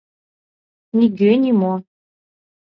Нигӧ-нимо...